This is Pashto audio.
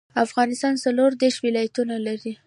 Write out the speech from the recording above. افغانستان څلوردیش ولایتونه لري.